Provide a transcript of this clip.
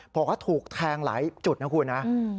บอกว่าถูกแทงหลายจุดนะคุณนะ